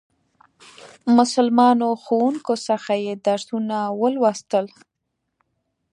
مسلمانو ښوونکو څخه یې درسونه ولوستل.